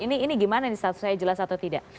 ini gimana nih statusnya jelas atau tidak